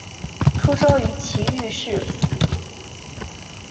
出生于崎玉县熊谷市。